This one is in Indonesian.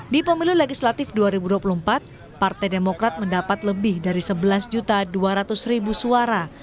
di pemilu legislatif dua ribu dua puluh empat partai demokrat mendapat lebih dari sebelas dua ratus suara